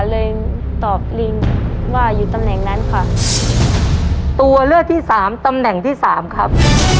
เลยตอบลิงว่าอยู่ตำแหน่งนั้นค่ะตัวเลือกที่สามตำแหน่งที่สามครับ